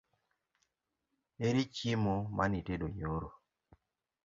Ere chiemo manitedo nyoro?